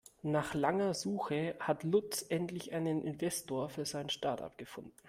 Nach langer Suche hat Lutz endlich einen Investor für sein Startup gefunden.